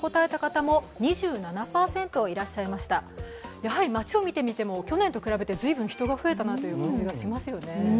やはり街を見てみても去年と比べて随分人が増えたという気がしますよね。